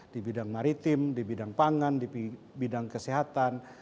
di bidang maritim di bidang pangan di bidang kesehatan